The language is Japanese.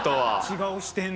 違う視点で。